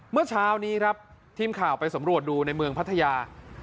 เมื่อเช้านี้ครับทีมข่าวไปสำรวจดูในเมืองพัทยา